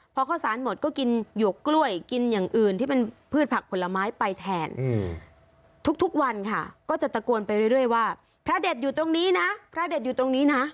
พอข้าวสารหมดก็กินหยวกกล้วยกินอย่างอื่นที่เป็นพืชผักผลไม้ไปแทนทุกวันค่ะก็จะตะโกนไปเรื่อยว่าพระเด็ดอยู่ตรงนี้นะพระเด็ดอยู่ตรงนี้นะ